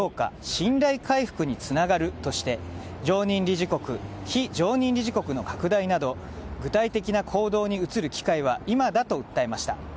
信頼回復につながるとして常任理事国非常任理事国の拡大など具体的な行動に移る機会は今だと訴えました。